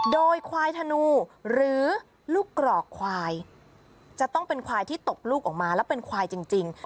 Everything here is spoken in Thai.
โดยควายธนูหรือลูกกรอกควายจะต้องเป็นควายที่ตกลูกออกมาแล้วเป็นควายจริง